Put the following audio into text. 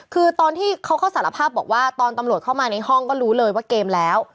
คือตอนที่เขาก็สารภาพบอกว่าตอนตำรวจเข้ามาในห้องก็รู้เลยว่าเกมแล้ว